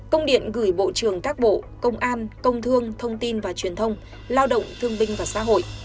công điện gửi bộ trưởng các bộ công an công thương thông tin và truyền thông lao động thương binh và xã hội